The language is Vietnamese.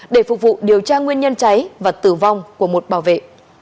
để phục vụ điều tra nguyên nhân cháy và tử vong của một bảo vệ